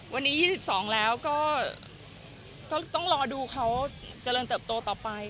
วันนี้๒๒แล้วก็ต้องรอดูเขาเจริญเติบโตต่อไป